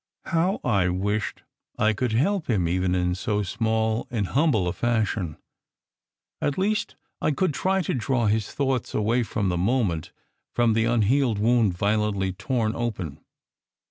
How I wished I could help him even in so small and hum ble a fashion ! At least, I could try to draw his thoughts away for the moment from the unhealed wound violently torn open.